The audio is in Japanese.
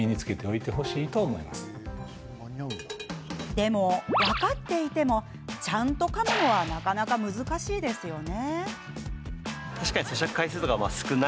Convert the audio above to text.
でも、分かっていてもちゃんとかむのはなかなか難しいですよね？